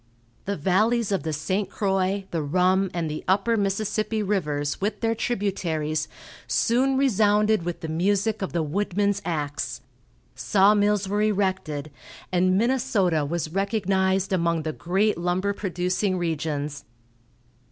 The valleys of the St. Croix, the Rum, and the Upper Mississippi rivers, with their tributaries, soon resounded with the music of the woodman's axe. Saw mills were erected, and Minnesota was recognized among the great lumber producing regions.